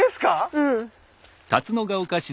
うん。